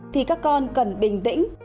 thì các con cần bình tĩnh